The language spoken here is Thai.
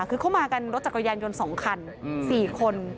คือเข้ามากันรถจักรยานยนต์๒คัน๔คน